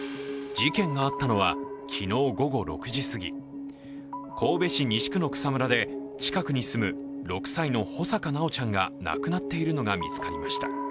事件があったのは昨日午後６時すぎ、神戸市西区の草むらで近くに住む６歳の穂坂修ちゃんが亡くなっているのが見つかりました。